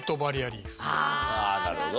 ああなるほど。